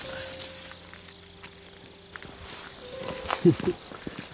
フフッ。